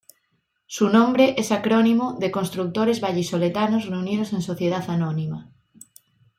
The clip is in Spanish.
Su nombre es acrónimo de Constructores Vallisoletanos Reunidos en Sociedad Anónima.